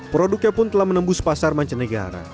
produknya pun telah menembus pasar mancanegara